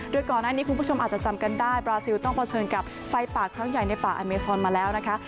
โดยก่อนหน้านี้คุณผู้ชมอาจจะจำกันได้บราซิลต้องเผชิญกับไฟป่าครั้งใหญ่ในป่าอเมซอนมาแล้วนะคะ